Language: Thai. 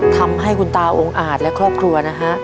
ทำให้คุณตาองค์อาจและครอบครัวนะฮะ